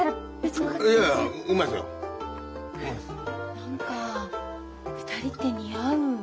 何か２人って似合う。